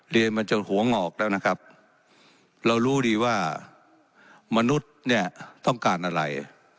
เรียนมาจนหัวงอกแล้วนะครับเรารู้ดีว่ามนุษย์เนี่ยต้องการอะไร